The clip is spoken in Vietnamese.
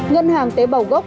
ngân hàng tế bào gốc